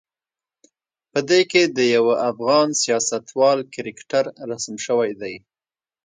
په دې کې د یوه افغان سیاستوال کرکتر رسم شوی دی.